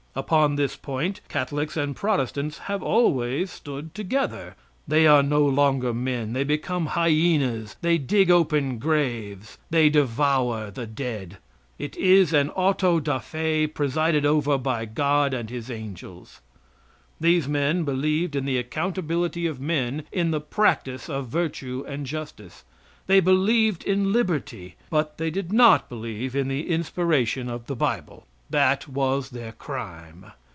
Upon this point, Catholics and Protestants have always stood together. They are no longer men; they become hyenas, they dig open graves. They devour the dead. It is an auto da fe presided over by God and his angels. These men believed in the accountability of men in the practice of virtue and justice. They believed in liberty, but they did not believe in the inspiration of the bible. That was their crime.